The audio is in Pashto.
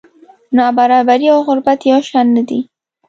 نابرابري او غربت یو شان نه دي.